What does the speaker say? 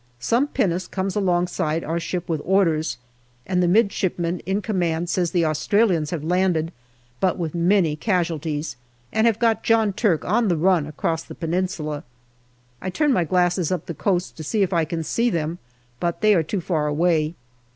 Some pinnace comes alongside our ship with orders, and the midshipman in command says the Australians have landed, but with many casualties, and have got John Turk on the run across the Peninsula. I turn my glasses up the coast to see if I can see them, but they are too far away.